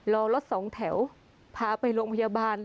รอรถสองแถวพาไปโรงพยาบาล